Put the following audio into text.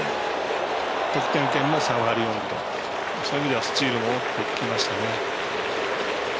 得点圏も３割４分とそういう意味ではスチールも大きく効きましたね。